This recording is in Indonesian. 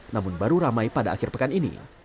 namun baru ramai pada akhir pekan ini